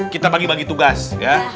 kita bagi bagi tugas ya